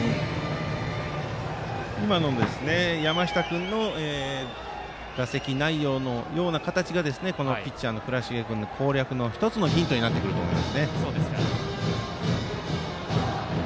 今の山下君の打席内容のような形がこのピッチャーの倉重君の攻略の１つのヒントになってくると思います。